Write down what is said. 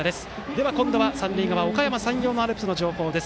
では今度は三塁側、おかやま山陽アルプスの情報です。